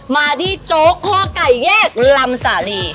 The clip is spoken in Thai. มาที่โจ๊กข้อไก่แยกลำสาลี